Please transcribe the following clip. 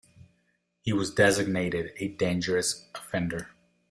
He was designated a dangerous offender.